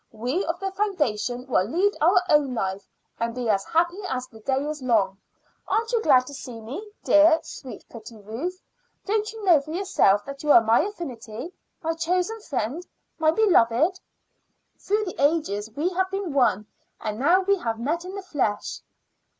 We of the foundation will lead our own life, and be as happy as the day is long. Aren't you glad to see me, dear, sweet, pretty Ruth? Don't you know for yourself that you are my affinity my chosen friend, my beloved? Through the ages we have been one, and now we have met in the flesh."